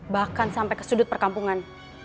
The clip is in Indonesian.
bahkan sampai ke sudut perkampungan